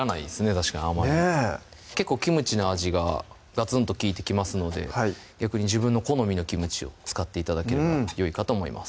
確かにあまりねぇ結構キムチの味ががつんと利いてきますので逆に自分の好みのキムチを使って頂ければよいかと思います